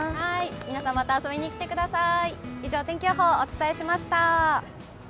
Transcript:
皆さん、また遊びにきてください。